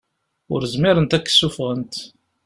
Ur zmirent ad k-ssufɣent.